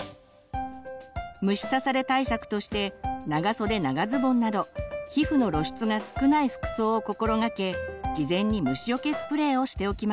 虫刺され対策として長袖長ズボンなど皮膚の露出が少ない服装を心がけ事前に虫よけスプレーをしておきましょう。